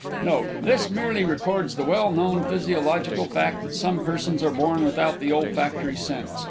Note. This merely records the well known physiological fact that some persons are born without the olfactory sense.